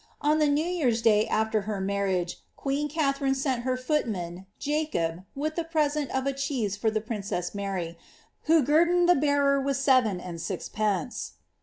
On the New year''s day after her marriage,' qneen Ka tharine sent her footman, Jacob, with the present of a cheese for tks princess M;ir\ , who guerdoned the bearer with seven and sixpence.